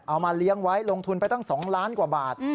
เอามาเลี้ยงไว้ลงทุนไปตั้ง๒ล้านกว่าบาท